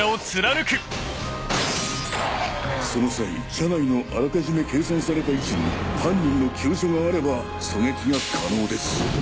その際車内のあらかじめ計算された位置に犯人の急所があれば狙撃が可能です。